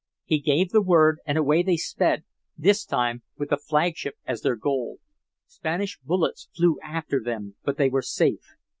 He gave the word and away they sped, this time with the flagship as the goal. Spanish bullets flew after them, but they were safe.